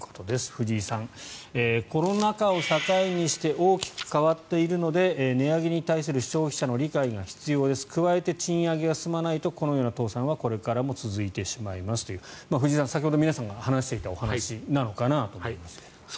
藤井さん、コロナ禍を境にして大きく変わっているので値上げに対する消費者の理解が必要です加えて賃上げが進まないとこのような倒産はこれからも続いてしまいますという藤井さん、先ほど皆さんが話していたお話なのかなと思いますが。